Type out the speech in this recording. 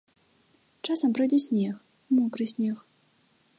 Часам пройдзе снег, мокры снег.